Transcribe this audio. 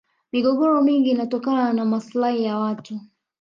migogoro mingi inatokana na maslahi ya watu